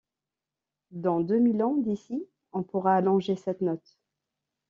Dans deux mille ans d'ici, on pourra allonger cette note.